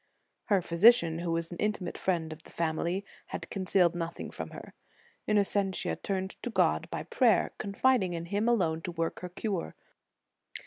"Her physician, who was an intimate friend of the family, had concealed nothing from her. Innocentia turned to God by prayer, confiding in Him alone to work her cure.